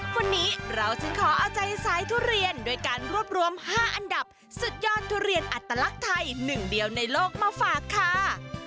วันนี้เราจึงขอเอาใจสายทุเรียนโดยการรวบรวม๕อันดับสุดยอดทุเรียนอัตลักษณ์ไทยหนึ่งเดียวในโลกมาฝากค่ะ